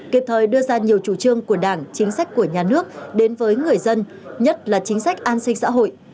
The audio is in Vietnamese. kịp thời đưa ra nhiều chủ trương của đảng chính sách của nhà nước đến với người dân nhất là chính sách an sinh xã hội